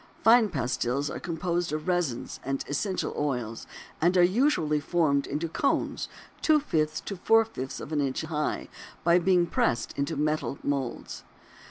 Fine pastils are composed of resins and essential oils and are usually formed into cones two fifths to four fifths of an inch high, by being pressed in metal moulds.